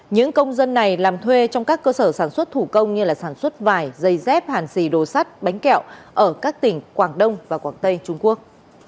những công dân này làm thuê trong các cơ sở sản xuất thủ công như sản xuất vải dây dép hàn xì đồ sắt bánh kẹo ở các tỉnh quảng đông và quảng tây trung quốc